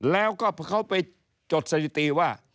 แล้วก็เขาไปจดสถิติว่า